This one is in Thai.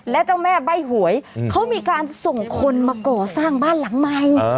และเจ้าแม่ใบ้หวยเขามีการส่งคนมาก่อสร้างบ้านหลังใหม่